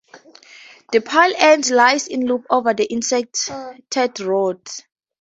The pile ends lie in loops over the inserted rods.